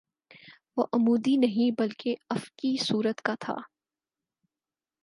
وہ عمودی نہیں بلکہ افقی صورت کا تھا